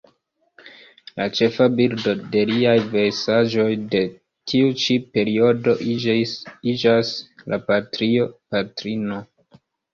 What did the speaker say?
La ĉefa bildo de liaj versaĵoj de tiu ĉi periodo iĝas la Patrio-patrino.